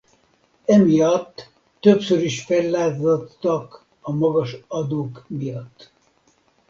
Emiatt többször is fellázadtak a magas adók miatt.